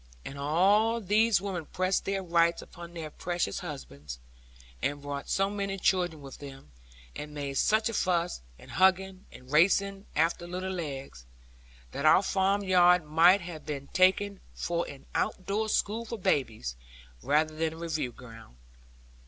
And all these women pressed their rights upon their precious husbands, and brought so many children with them, and made such a fuss, and hugging, and racing after little legs, that our farm yard might be taken for an out door school for babies rather than a review ground.